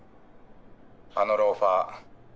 あのローファー。